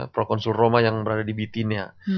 prokonsul roma yang berada di bitinia